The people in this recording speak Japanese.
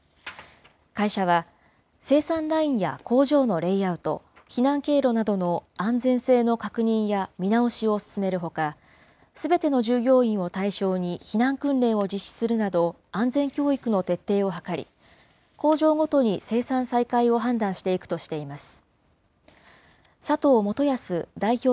会社は生産ラインや工場のレイアウト、避難経路などの安全性の確認や見直しを進めるほか、すべての従業員を対象に避難訓練を実施するなど、安全教育の徹底を図り、工場ごとに生産再開を判断していくとしています。